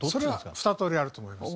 それは２通りあると思います。